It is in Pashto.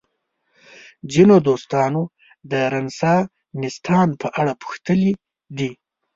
ځینو دوستانو د رنسانستان په اړه پوښتلي دي.